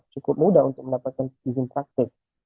cukup mudah untuk mendapatkan izin praktek